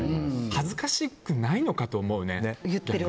恥ずかしくないのかと思いますね、逆に。